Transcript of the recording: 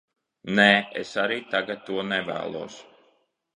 Nē, es arī tagad to nevēlos.